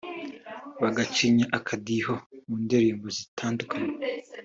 bagacinya akadiho mu ndirimbo zitandukanye